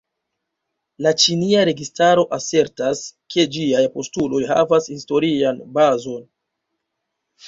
La ĉinia registaro asertas, ke ĝiaj postuloj havas historian bazon.